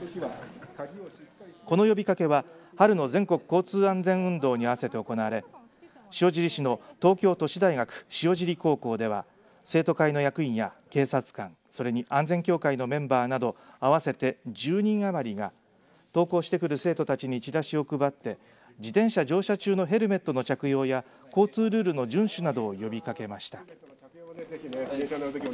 この呼びかけは春の全国交通安全運動に合わせて行われ塩尻市の東京都市大学塩尻高校では生徒会の役員や警察官それに安全協会のメンバーなど合わせて１０人余りが登校してくる生徒たちにちらしを配って自転車乗車中のヘルメットの着用や交通ルールの順守などを呼びかけました。